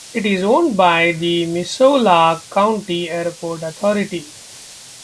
It is owned by the Missoula County Airport Authority.